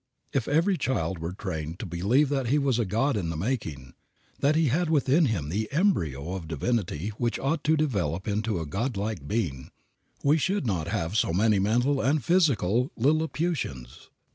If every child were trained to believe that he was a god in the making, that he had within him the embryo of divinity which ought to develop into a God like being, we should not have so many mental and physical Lilliputians.